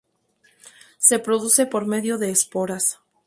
Se reproduce por medio de esporas.